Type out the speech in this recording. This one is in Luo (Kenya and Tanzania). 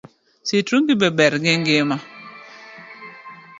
Sitrungi be ber gi ngima?